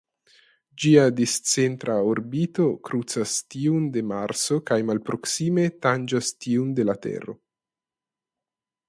Ĝia discentra orbito krucas tiun de Marso kaj malproksime tanĝas tiun de la Tero.